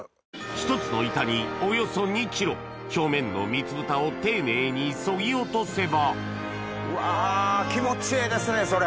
１つの板におよそ２ｋｇ表面の蜜蓋を丁寧にそぎ落とせばうわ気持ちええですねそれ。